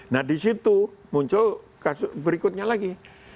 nah di situ muncul kasus berikutnya lagi